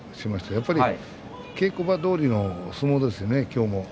やっぱり稽古場どおりの相撲ですね。